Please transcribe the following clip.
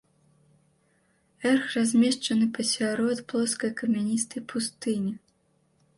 Эрг размешчаны пасярод плоскай камяністай пустыні.